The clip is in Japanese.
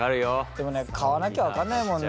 でもね買わなきゃ分かんないもんね。